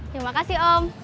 terima kasih om